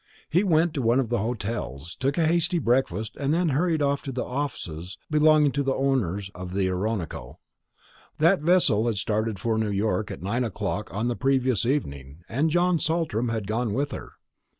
He went to one of the hotels, took a hasty breakfast, and then hurried off to the offices belonging to the owners of the Oronoco. That vessel had started for New York at nine o'clock on the previous morning, and John Saltram had gone with her.